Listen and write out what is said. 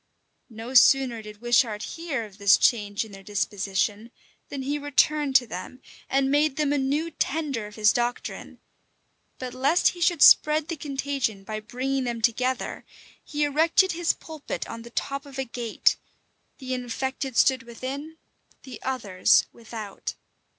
No sooner did Wishart hear of this change in their disposition, than he returned to them, and made them a new tender of his doctrine: but lest he should spread the contagion by bringing them together, he erected his pulpit on the top of a gate; the infected stood within, the others without.